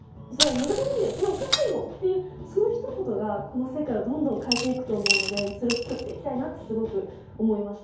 難しいよそれおかしいもん」っていうそのひと言がこの世界をどんどん変えていくと思うのでそれをつくっていきたいなってすごく思いました。